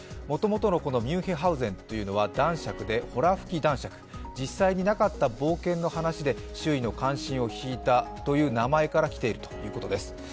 もともとのミュンヒハウゼンというのは男爵でほら吹き男爵、実際になかった冒険の話で周囲の関心を引いたという名前から来ているということです。